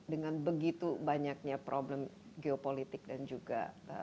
dengan begitu banyaknya problem geopolitik dan juga